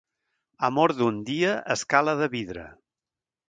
Amor d'un dia, escala de vidre.